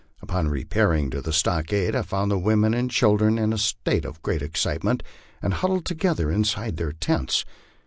Upon repairing to the stockade, I found the women and children in a state of great excitement and huddled together inside their tents.